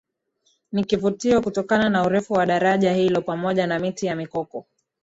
Ni kivutio kutokana na urefu wa daraja hilo pamoja na Miti ya Mikoko